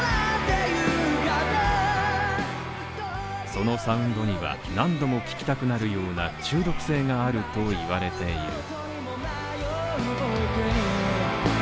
そのサウンドには、何度も聴きたくなるような中毒性があるといわれている。